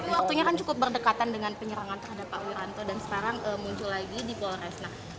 waktunya kan cukup berdekatan dengan penyerangan terhadap pak wiranto dan sekarang muncul lagi di polres